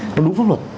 nó đúng pháp luật